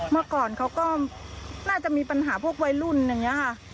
เมื่อก่อนเขาก็น่าจะมีปัญหาพวกวัยรุ่นอย่างนี้ค่ะ